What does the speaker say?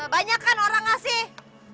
banyak kan orang kasih